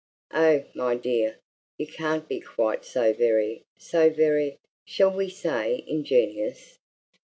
"Oh, my dear, you can't be quite so very so very, shall we say ingenuous?